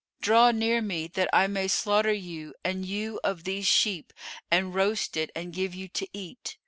Draw near me that I may slaughter you an ewe of these sheep and roast it and give you to eat.